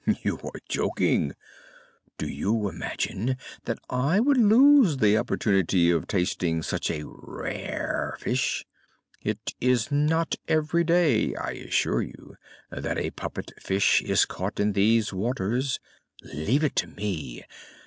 "You are joking! Do you imagine that I would lose the opportunity of tasting such a rare fish? It is not every day, I assure you, that a puppet fish is caught in these waters. Leave it to me.